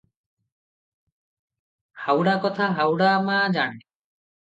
ହାଉଡ଼ା କଥା ହାଉଡ଼ା ମା ଜାଣେ ।